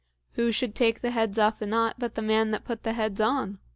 "Who should take the heads off the knot but the man that put the heads on?"